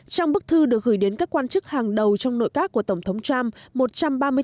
trong bức thư được gửi đến các quan chức hàng đầu trong nội các của tổng thống trump